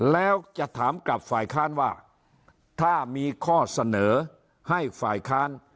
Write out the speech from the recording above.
แล้วจะถามกับฝ่ายค้านว่าถ้ามีข้อเสนอให้ฝ่ายค้าน